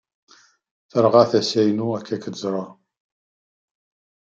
Terɣa tasa-inu akken ad k-ẓreɣ.